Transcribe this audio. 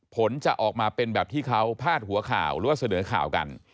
ผลจะออกมาเป็นแบบที่เขาพาดหัวข่าวหรือว่าเสนอข่าวกัน